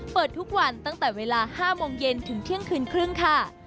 เปิดทุกวันตั้งแต่เวลา๕โมงเย็นถึงเที่ยงคืนครึ่งค่ะ